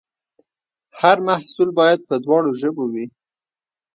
هر محصول باید په دواړو ژبو وي.